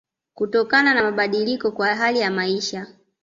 kutokana na kubadilika kwa hali ya maisha